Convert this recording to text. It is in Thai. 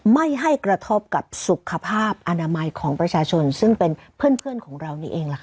ไม่ให้กระทบกับสุขภาพอนามัยของประชาชนซึ่งเป็นเพื่อนของเรานี่เองล่ะค่ะ